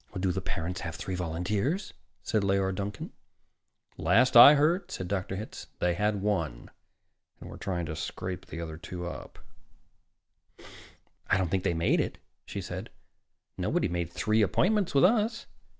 "Do the parents have three volunteers?" said Leora Duncan. "Last I heard," said Dr. Hitz, "they had one, and were trying to scrape another two up." "I don't think they made it," she said. "Nobody made three appointments with us.